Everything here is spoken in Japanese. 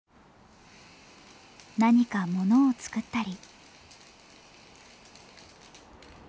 何かモノを作ったり。